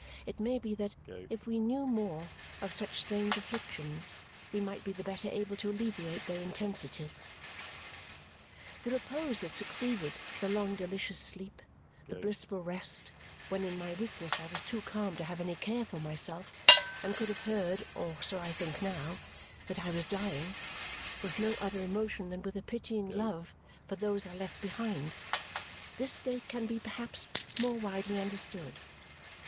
It may be that if we knew more of such strange afflictions we might be the better able to alleviate their intensity. The repose that succeeded, the long delicious sleep, the blissful rest, when in my weakness I was too calm to have any care for myself and could have heard (or so I think now) that I was dying, with no other emotion than with a pitying love for those I left behind this state can be perhaps more widely understood.